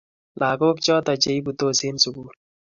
Lakok choto Che iputos eng' sukul